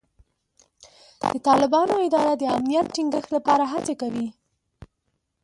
د طالبانو اداره د امنیت ټینګښت لپاره هڅې کوي.